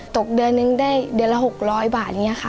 ตกเดือนนึงได้เดือนละ๖๐๐บาท